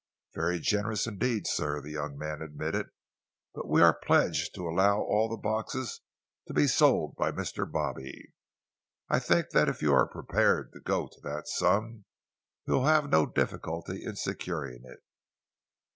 "Very generous indeed, sir," the young man admitted, "but we are pledged to allow all the boxes to be sold by Mr. Bobby. I think that if you are prepared to go to that sum, you will have no difficulty in securing it."